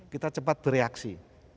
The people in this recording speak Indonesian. kita cepat bereaksi